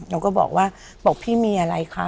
เราก็บอกว่าบอกพี่มีอะไรคะ